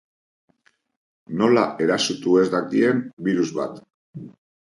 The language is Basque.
Nola erasotu ez dakien birus bat.